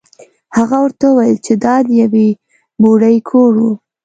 هغه ورته وویل چې دا د یوې بوډۍ کور و.